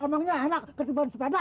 emangnya enak ketiban sepeda